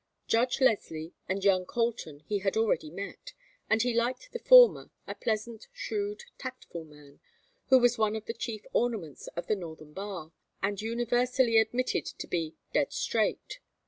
Judge Leslie and young Colton he had already met, and he liked the former, a pleasant shrewd tactful man, who was one of the chief ornaments of the northern bar, and universally admitted to be "dead straight."